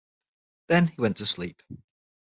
Then he went to sleep.